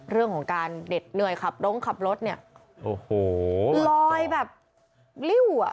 เรื่องของการเด็ดเหนื่อยขับด้งขับรถเนี่ยโอ้โหลอยแบบริ้วอ่ะ